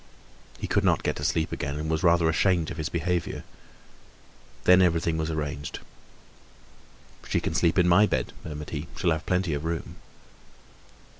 He could not get to sleep again, and was rather ashamed of his behavior. Then everything was arranged. "She can sleep in my bed," murmured he. "She'll have plenty of room."